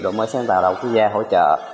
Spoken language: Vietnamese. đổi mới sáng tạo đh quốc gia hỗ trợ